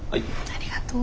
ありがとう。